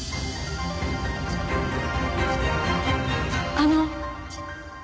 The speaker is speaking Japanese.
あの。